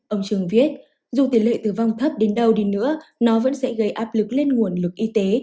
ông trường viết dù tỷ lệ tử vong thấp đến đâu đi nữa nó vẫn sẽ gây áp lực lên nguồn lực y tế